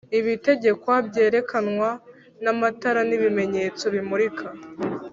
Ibitegekwa byerekanwa n amatara n’ibimenyetso bimurika